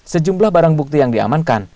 sejumlah barang bukti yang diamankan